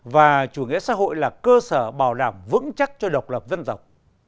và chủ nghĩa xã hội là cơ sở bảo đảm vững chắc cho độc lập dân tộc